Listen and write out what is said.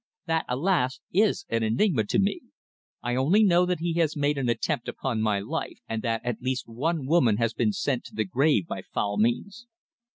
"That, alas! is an enigma to me. I only know that he has made an attempt upon my life, and that at least one woman has been sent to the grave by foul means."